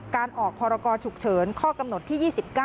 การออกพรกรฉุกเฉินข้อกำหนดที่๒๙